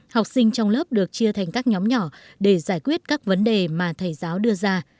học sinh trong lớp được chia thành các nhóm nhỏ để giải quyết các vấn đề mà thầy giáo đưa ra